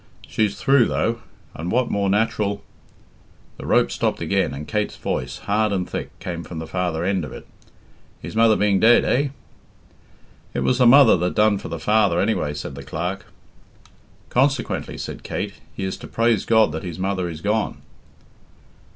She's through though, and what more natural " The rope stopped again, and Kate's voice, hard and thick, came from the farther end of it. "His mother being dead, eh?" "It was the mother that done for the father, anyway," said the clerk. "Consequently," said Kate, "he is to praise God that his mother is gone!"